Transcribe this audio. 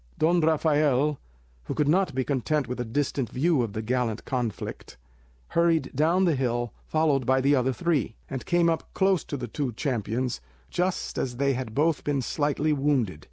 Don Rafael, who could not be content with a distant view of the gallant conflict, hurried down the hill, followed by the other three, and came up close to the two champions just as they had both been slightly wounded.